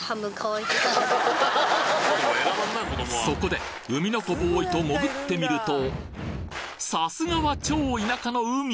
そこで海の子ボーイと潜ってみるとさすがはチョ田舎の海！